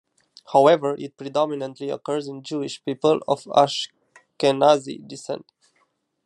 However, it predominantly occurs in Jewish people of Ashkenazi descent.